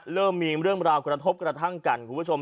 เริ่มมีเรื่องราวกระทบกระทั่งกันคุณผู้ชม